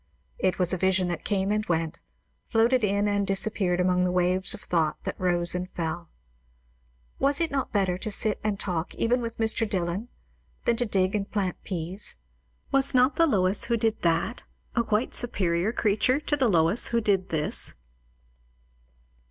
It was a vision that came and went, floated in and disappeared among the waves of thought that rose and fell. Was it not better to sit and talk even with Mr. Dillwyn, than to dig and plant peas? Was not the Lois who did that, a quite superior creature to the Lois who did _this?